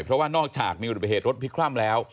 เพราะว่านอกจากมีอุบัติเหตุรถพลิกคว่ำแล้ว